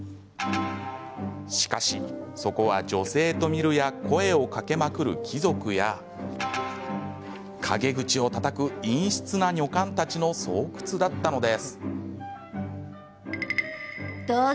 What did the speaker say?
しかし、そこは女性と見るや声をかけまくる貴族や陰口をたたく陰湿な女官たちの巣窟だったのです。